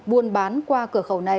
buôn bán qua cửa khẩu này